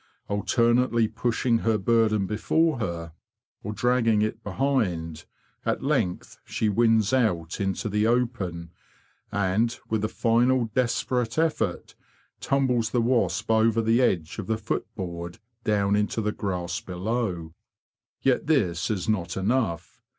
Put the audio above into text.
Alternately pushing her burden before her, or dragging it THE YELLOW PERIL IN HIVELAND 175 behind, at length she wins out into the open, and, with a final desperate effort, tumbles the wasp over the edge of the footboard down into the grass below. Yet this is not enough.